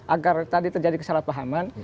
agar tadi terjadi kesalahpahaman